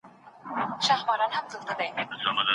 ما چي له طلا سره تللې اوس یې نه لرم